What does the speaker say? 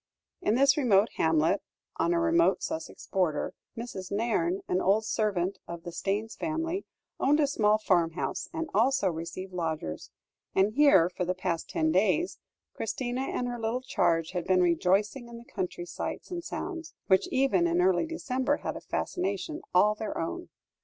In this remote hamlet on a remote Sussex border, Mrs. Nairne, an old servant of the Staynes family, owned a small farmhouse, and also received lodgers; and here, for the past ten days, Christina and her little charge had been rejoicing in the country sights and sounds, which even in early December had a fascination all their own.